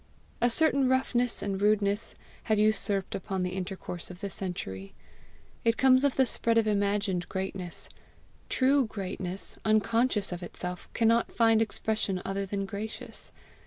A certain roughness and rudeness have usurped upon the intercourse of the century. It comes of the spread of imagined greatness; true greatness, unconscious of itself, cannot find expression other than gracious.